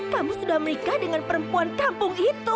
kamu sudah menikah dengan perempuan kampung itu